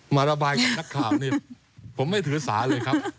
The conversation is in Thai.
ระบายกับนักข่าวเนี่ยผมไม่ถือสาเลยครับ